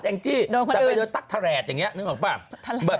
แต่ไปโดยตั๊กแทรดอย่างนี้นึกหรือเปล่า